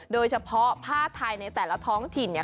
โดยเฉพาะผ้าไทยในแต่ละท้องถิ่นเนี่ย